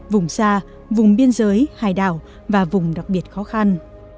vùng xa vùng biên giới hải đảo và vùng đặc biệt khó khăn